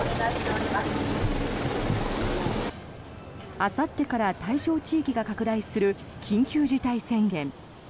あさってから対象地域が拡大する緊急事態宣言。